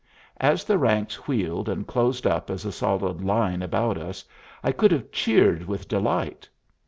As the ranks wheeled, and closed up as a solid line about us, I could have cheered with delight.